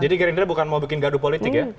jadi gerindra bukan mau bikin gaduh politik ya